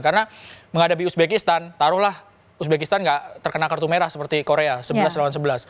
karena menghadapi uzbekistan taruhlah uzbekistan nggak terkena kartu merah seperti korea sebelas lawan sebelas